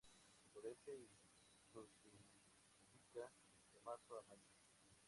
Florece y fructifica de Marzo a Mayo.